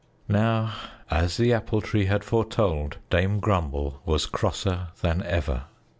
Now, as the Apple Tree had foretold, Dame Grumble was crosser than ever.